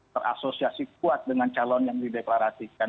terasosiasi kuat dengan calon yang dideklarasikan